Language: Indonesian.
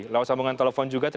lawan sambungan telepon juga